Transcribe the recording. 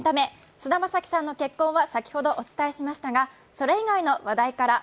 菅田将暉さんの結婚は先ほどお伝えしましたがそれ以外の話題から。